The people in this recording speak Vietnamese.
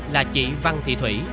là chị văn thị thủy